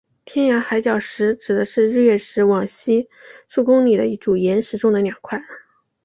天涯海角石指的是日月石往西数公里的一组岩石中的两块。